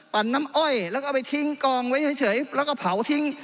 น้ำอ้อยแล้วก็เอาไปทิ้งกองไว้เฉยแล้วก็เผาทิ้ง